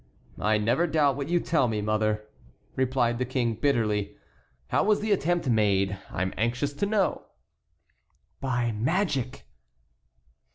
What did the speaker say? "I never doubt what you tell me, mother," replied the King, bitterly. "How was the attempt made? I am anxious to know." "By magic."